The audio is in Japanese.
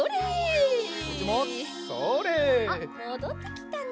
もどってきたね。